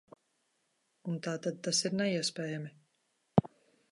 Un tātad tas ir neiespējami.